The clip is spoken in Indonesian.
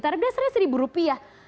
tarif dasarnya satu rupiah